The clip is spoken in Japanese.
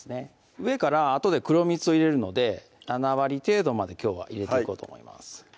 上からあとで黒蜜を入れるので７割程度まできょうは入れていこうと思います